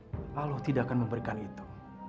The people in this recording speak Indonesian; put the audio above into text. allah tidak akan memberikan itu